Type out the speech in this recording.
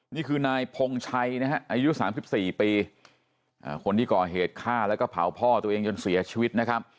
นี่คือนายพงชัยนะฮะอายุ๓๔ปีคนที่ก่อเหตุฆ่าแล้วก็เผาพ่อตัวเองจนเสียชีวิตนะครับ